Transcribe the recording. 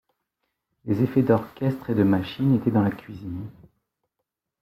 Les effets d’orchestre et de machines étaient dans la cuisine.